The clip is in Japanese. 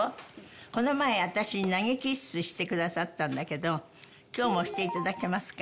この前私に投げキッスしてくださったんだけど今日もして頂けますか？